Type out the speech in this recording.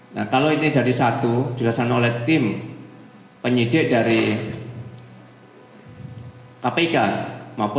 nah kalau ini jadi satu dihasilkan oleh tim penyidik dari kpk maupun penyidik dari kppi